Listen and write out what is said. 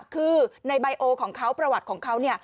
คือในใบโอของเขาประวัติของเขา